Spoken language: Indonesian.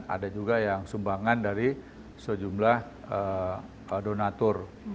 ada juga yang sumbangan dari sejumlah donatur